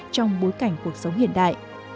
trong bối cảnh cuộc sống hiện đại